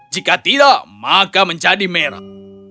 jika tidak maka menjadi merah